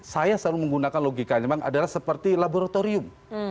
saya selalu menggunakan logika yang memang adalah seperti laboratorium